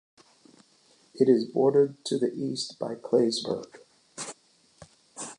It is bordered to the east by Claysburg.